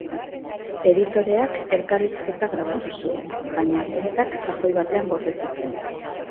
Editoreak elkarrizketa grabatu zuen, baina zintak kajoi batean gorde zituen.